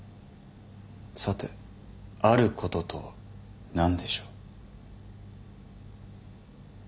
さてあることとは何でしょう？